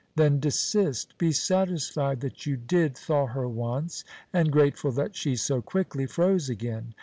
Then desist; be satisfied that you did thaw her once, and grateful that she so quickly froze again.